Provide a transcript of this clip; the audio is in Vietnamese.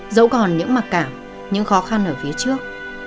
dẫu còn những mặc cảm những khó khăn ở phía trước